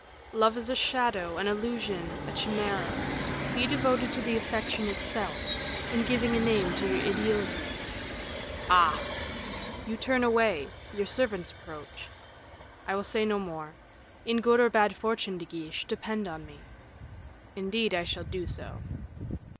"Love is a shadow, an illusion, a chimera; be devoted to the affection itself, in giving a name to your ideality." "Ah!" "You turn away; your servants approach. I will say no more. In good or bad fortune, De Guiche, depend on me." "Indeed I shall do so."